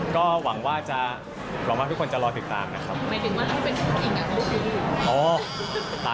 ก็หวังว่าทุกคนจะรอติดตามนะครับ